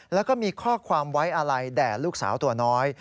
แล้วก็มีข้อความไว้อะไรแด่ลูกสาวตัวน้อย